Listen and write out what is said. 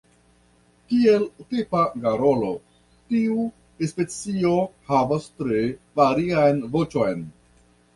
Kiel tipa garolo, tiu specio havas tre varian voĉon.